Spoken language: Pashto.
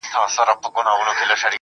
زاهده دغه تا نه غوښتله خدای غوښتله